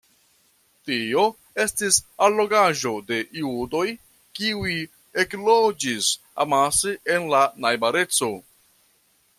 Tio estis allogaĵo de judoj, kiuj ekloĝis amase en la najbareco.